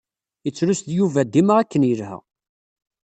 Yettlus Yuba dima akken yelha.